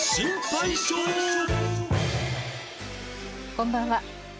こんばんは。